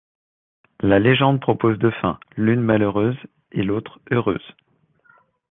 La légende propose deux fins, l'une malheureuse et l'autre heureuse.